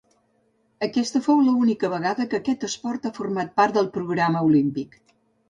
Aquesta fou l'única vegada que aquest esport ha format part del programa olímpic.